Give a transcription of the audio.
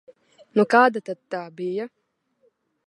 Nu, kāda tad tā bija?